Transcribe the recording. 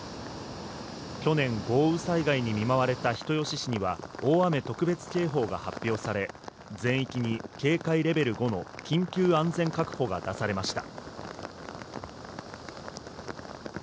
去年、豪雨災害に見舞われた人吉市には大雨特別警報が発表され全域に警戒レベル５の緊急安全確保が出されました。